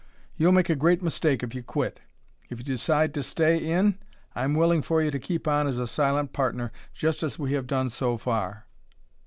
You'll make a great mistake if you quit. If you decide to stay in I'm willing for you to keep on as a silent partner, just as we have done so far."